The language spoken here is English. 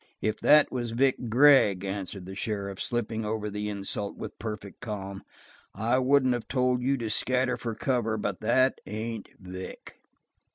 "If that was Vic Gregg," answered the sheriff, slipping over the insult with perfect calm, "I wouldn't of told you to scatter for cover; but that ain't Vic."